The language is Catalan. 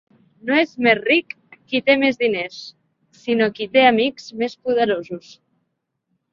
No és més ric qui té més diners, sinó qui té amics més poderosos.